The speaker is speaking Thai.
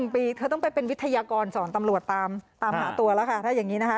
ปีเธอต้องไปเป็นวิทยากรสอนตำรวจตามหาตัวแล้วค่ะถ้าอย่างนี้นะคะ